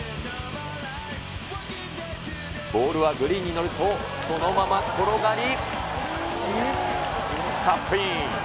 ボールはグリーンに乗ると、そのまま転がり、カップイン。